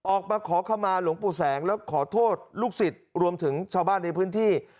ออกมาขอขมาหลวงปู่แสงแล้วขอโทษลูกศิษย์รวมถึงชาวบ้านในพื้นที่